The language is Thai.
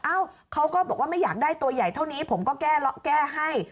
เขาก็บอกว่าไม่อยากได้ตัวใหญ่เท่านี้ผมก็แก้ให้